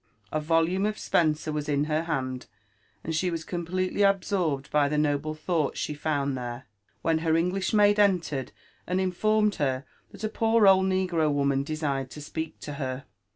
A volume of Spenser was in her hand, and she was cooi pletety absorbed by the noble thoughts she found there^ when her English maid entered and informed her that a poor old negro woman desired to speak to her.